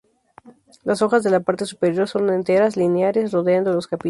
Las hojas de la parte superior son enteras, lineares, rodeando los capítulos.